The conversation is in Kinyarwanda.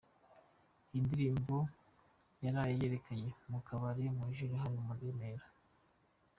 Iyindirimbo yaraye yerekanye mukabare kwa Jule hano remera